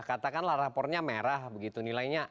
katakanlah rapornya merah begitu nilainya